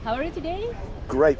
bagaimana hari ini